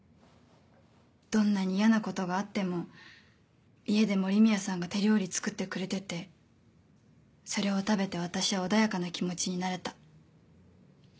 どんなに嫌なことがあっても家で森宮さんが手料理作ってくれててそれを食べて私は穏やかな気持ちになれた。